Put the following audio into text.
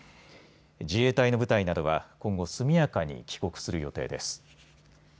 自衛隊の部隊などは今後、速やかに帰国する予定です。